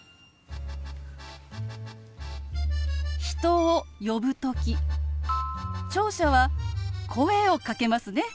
人を呼ぶ時聴者は声をかけますね。